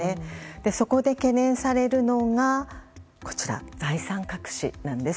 そこで懸念されるのが財産隠しなんです。